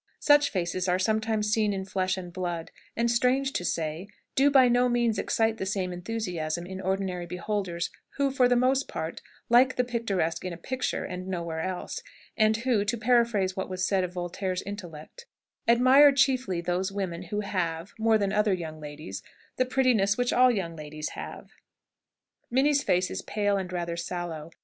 Such faces are sometimes seen in flesh and blood, and, strange to say, do by no means excite the same enthusiasm in ordinary beholders, who, for the most part, like the picturesque in a picture and nowhere else; and who, to paraphrase what was said of Voltaire's intellect, admire chiefly those women who have, more than other young ladies, the prettiness which all young ladies have. Minnie's face is pale and rather sallow.